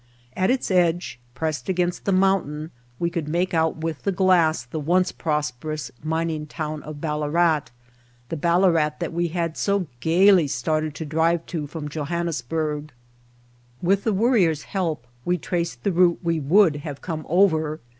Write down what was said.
At its edge, pressed against the mountain, we could make out with the glass the once prosperous mining town of Ballarat, the Ballarat that we had so gayly started to drive to from Johannes burg. With the Worrier's help we traced the route we would have come over.